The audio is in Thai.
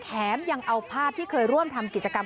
ยังเอาภาพที่เคยร่วมทำกิจกรรม